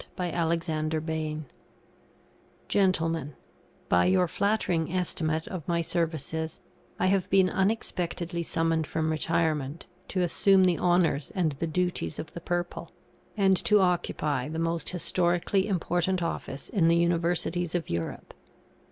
GENTLEMEN, By your flattering estimate of my services, I have been unexpectedly summoned from retirement, to assume the honours and the duties of the purple, and to occupy the most historically important office in the Universities of Europe.